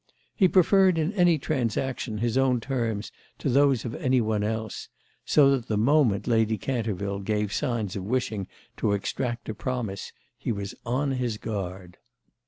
He preferred in any transaction his own terms to those of any one else, so that the moment Lady Canterville gave signs of wishing to extract a promise he was on his guard.